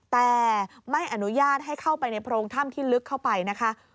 แต่ไม่อนุญาตให้เข้าไปในโพรงถ้ำที่ลึกเข้าไปนะคะ